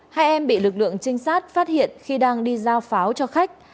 hai em bị lực lượng trinh sát phát hiện khi đang đi giao pháo cho khách